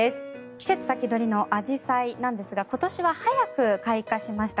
季節先取りのアジサイなんですが今年は早く開花しました。